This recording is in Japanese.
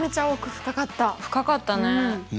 深かったね。